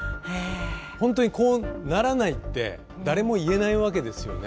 本当にこうならないって誰も言えないわけですよね。